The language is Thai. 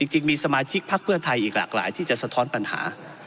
จริงมีสมาชิกพักเพื่อไทยอีกหลากหลายที่จะสะท้อนปัญหา